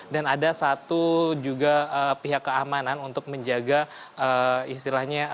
ada satu juga pihak keamanan untuk menjaga istilahnya